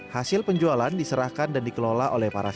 hasil penjualan diserahkan dan dikelola oleh para